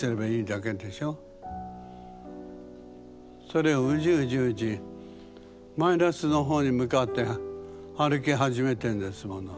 それをウジウジウジマイナスの方に向かって歩き始めてんですもの。